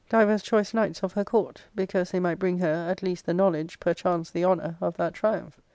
203 divers choice knights of her court, because they might bring her, at least the knowledge, perchance the honour, of that triumph.